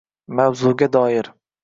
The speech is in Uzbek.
Mavzuga doir: